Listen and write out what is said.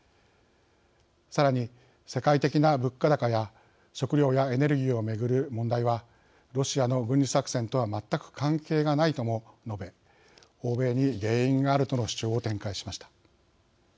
さらに、世界的な物価高や食料やエネルギーを巡る問題はロシアの軍事作戦とは全く関係がないとも述べ欧米に原因があるとの主張を展開しました。